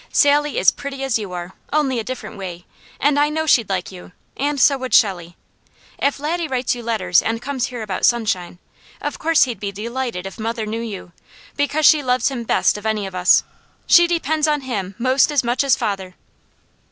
Sally is pretty as you are, only a different way, and I know she'd like you, and so would Shelley. If Laddie writes you letters and comes here about sunshine, of course he'd be delighted if mother knew you; because she loves him best of any of us. She depends on him most as much as father."